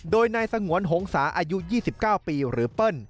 โดยนายสงวนหงษาอายุ๒๙ปีหรือเปิ้ล